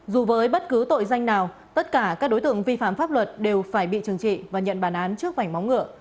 dù với bất cứ tội danh nào tất cả các đối tượng vi phạm pháp luật đều phải bị trừng trị và nhận bản án trước vảnh móng ngựa